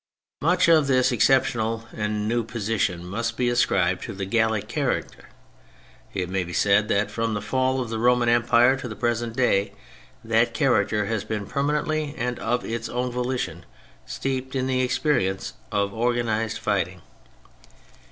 Much in this exceptional and new position must be ascribed to the Gallic character. It may be said that from the fall of the Roman Empire to the present day that character has been permanently and of its own volition steeped in the experience of organised fighting.